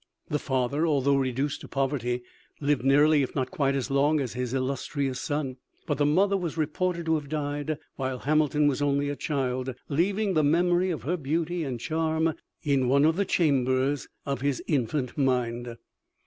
The father, although reduced to poverty, lived nearly if not quite as long as his illustrious son, but the mother was reported to have died while Hamilton was only a child, leaving the memory of her beauty and charm in one of the chambers of his infant mind.